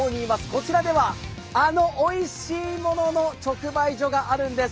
こちらでは、あのおいしいものの直売所があるんです。